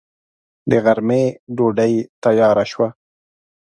د غرمې ډوډۍ تياره شوه.